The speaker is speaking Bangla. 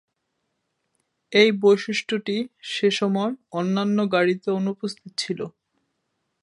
এই বৈশিষ্ট্যটি সেসময় অন্যান্য গাড়িতে অনুপস্থিত ছিল।